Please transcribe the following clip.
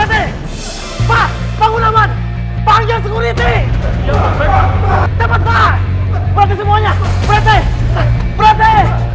cepat pak berhenti semuanya berhenti